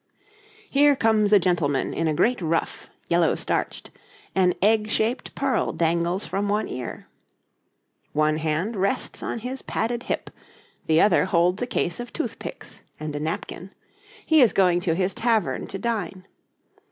Here comes a gentleman in a great ruff, yellow starched, an egg shaped pearl dangles from one ear. One hand rests on his padded hip, the other holds a case of toothpicks and a napkin; he is going to his tavern to dine.